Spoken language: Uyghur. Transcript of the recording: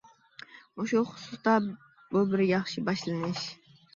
مۇشۇ خۇسۇستا بۇ بىر ياخشى باشلىنىش.